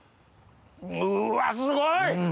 うわすごい！